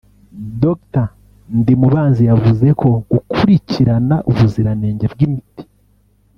Dr Ndimubanzi yavuze ko gukurikirana ubuziranenge bw’imiti